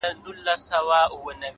• له مودو وروسته يې کرم او خرابات وکړ،